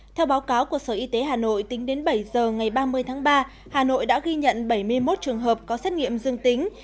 theo báo cáo của sở y tế hà nội tính đến bảy giờ ngày ba mươi tháng ba hà nội đã ghi nhận bảy mươi một trường hợp có xét nghiệm dương tính